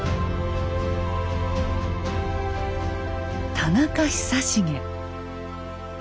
田中久重。